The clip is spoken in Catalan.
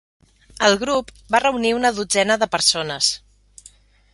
El grup va reunir una dotzena de persones.